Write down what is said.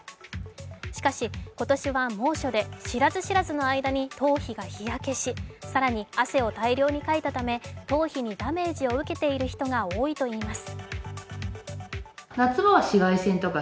しかし今年は猛暑で、知らず知らずの間に頭皮が日焼けし、更に汗を大量にかいたため頭皮にダメージを受けている人が多いといいます。